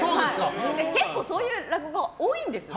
結構、そういう落語多いんですよ。